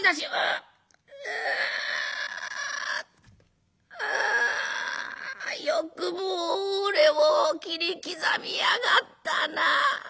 「うっうよくも俺を切り刻みやがったな。